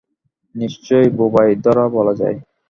নিশ্চয়ই বোবায় ধরা বলা যায়।